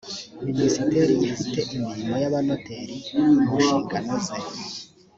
minisiteri ifite imirimo y’abanoteri mu mu nshingano ze